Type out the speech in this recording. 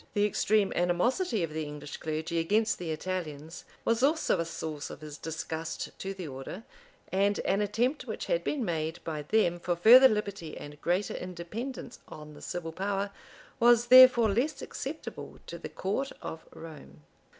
The extreme animosity of the English clergy against the Italians was also a source of his disgust to the order; and an attempt which had been made by them for further liberty and greater independence on the civil power, was therefore less acceptable to the court of Rome.